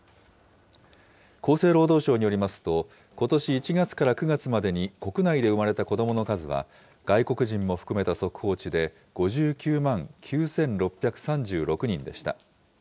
厚生労働省によりますと、ことし１月から９月までに国内で生まれた子どもの数は、外国人も含めた速報値で５９万９６３６人でした。